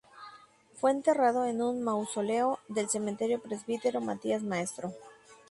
Fue enterrado en un mausoleo del Cementerio Presbítero Matías Maestro.